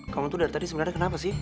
kamu tuh dari tadi sebenarnya kenapa sih